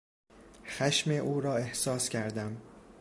خشم او را احساس کردم.